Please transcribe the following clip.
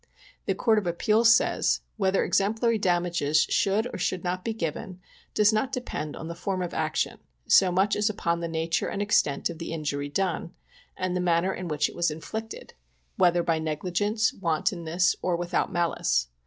The Court of Appeals says: "Whether exemplary damages should or should not be given does not depend on the form of action so much as upon the nature and extent of the injury done, and the manner in which it was inflicted, whether by negligence, wantonness, or without malice.